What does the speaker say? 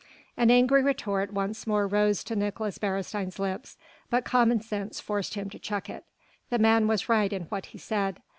An angry retort once more rose to Nicolaes Beresteyn's lips, but commonsense forced him to check it. The man was right in what he said.